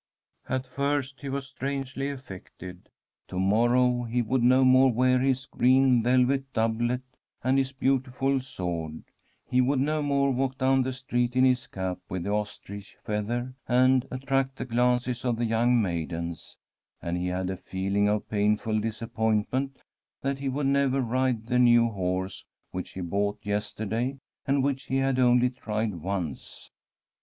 At first he was strangely affected. To morrow he would no more wear his green velvet doublet and his beautiful sword ; he would no more walk down the street in his cap with the ostrich feather and attract the glances of the young maidens, and he had a feeling of painful disappointment that he would never ride the new horse which he bought yesterday, and which he had only tried once.